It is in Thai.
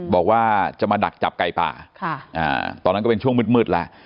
บอกว่าจะมาดักจับไก่ป่าค่ะอ่าตอนนั้นก็เป็นช่วงมืดมืดละ